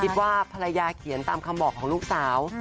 คิดว่าภรรยาเขียนตามคำบอกของลูกสาว